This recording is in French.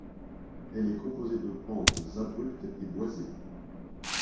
Elle est composée de pentes abruptes et boisées.